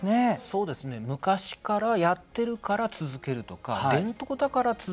そうですね昔からやってるから続けるとか伝統だから続けているだけじゃなくって